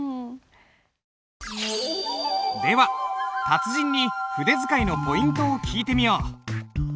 では達人に筆使いのポイントを聞いてみよう。